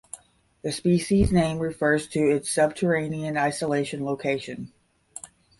The species name refers to its subterranean isolation location.